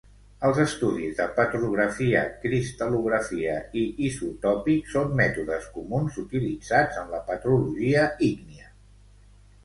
Els estudis de Petrografia, cristal·lografia i isotòpic són mètodes comuns utilitzats en la petrologia ígnia.